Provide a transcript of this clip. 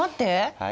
はい？